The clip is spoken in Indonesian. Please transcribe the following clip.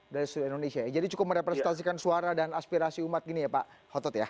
dari seluruh indonesia ya jadi cukup merepresentasikan suara dan aspirasi umat gini ya pak hotot ya